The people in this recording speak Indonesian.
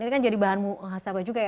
ini kan jadi bahan hasabah juga ya